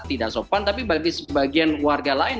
tidak sopan tapi bagi sebagian warga lain